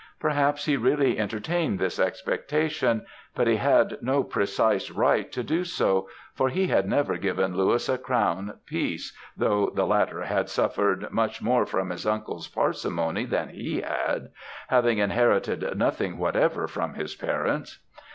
Perhaps he really entertained this expectation, but he had no precise right to do so, for he had never given Louis a crown piece, though the latter had suffered much more from his uncle's parsimony than he had, having inherited nothing whatever from his parents.